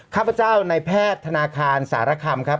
ข้าพเจ้าในแพทย์ธนาคารสารคำครับ